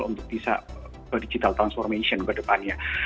untuk bisa digital transformation ke depannya